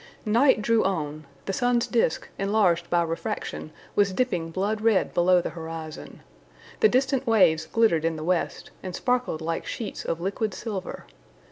Night drew on; the sun's disc, enlarged by refraction, was dipping blood red below the horizon. The distant waves glittered in the west, and sparkled like sheets of liquid silver.